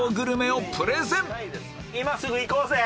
今すぐ行こうぜ！